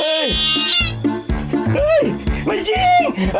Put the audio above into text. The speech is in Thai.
เฮ้ยไม่จริง